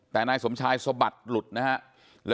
แต่นายสมชายสะบัดหลุดนะฮะ